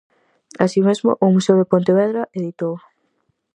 Así mesmo, o Museo de Pontevedra editou.